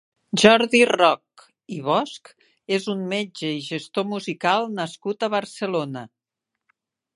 Jordi Roch i Bosch és un metge i gestor musical nascut a Barcelona.